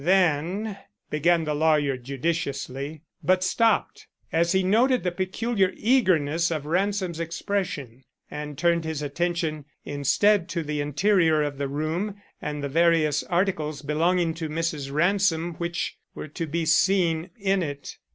"Then," began the lawyer judicially, but stopped as he noted the peculiar eagerness of Ransom's expression, and turned his attention instead to the interior of the room and the various articles belonging to Mrs. Ransom which were to be seen in it.